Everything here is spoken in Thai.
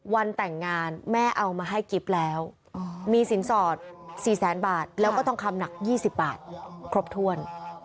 วันแต่งงานแม่เอามาให้กิ๊บแล้วมีสินสอด๔แสนบาทแล้วก็ทองคำหนัก๒๐บาทครบถ้วน